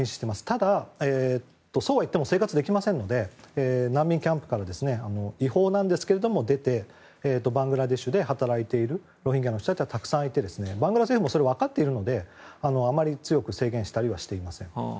ただ、そうはいっても生活できませんので難民キャンプから違法なんですけれども、出てバングラデシュで働いているロヒンギャの人たちはたくさんいてバングラデシュ政府もそれは分かっているのであまり強く制限したりはしていません。